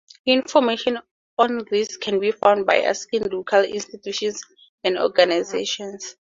Information on these can be found by asking local institutions and organizations.